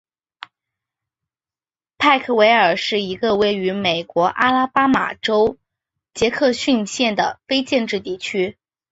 派克维尔是一个位于美国阿拉巴马州杰克逊县的非建制地区。